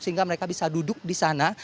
sehingga mereka bisa duduk di sana